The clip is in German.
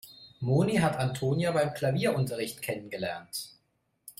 Moni hat Antonia beim Klavierunterricht kennengelernt.